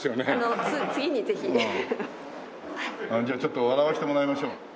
じゃあちょっと笑わせてもらいましょう。